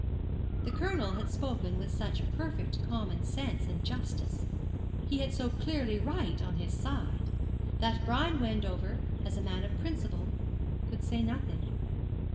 The Colonel had spoken with such perfect common sense and justice, he had so clearly right on his side, that Brian Wendover, as a man of principle, could say nothing.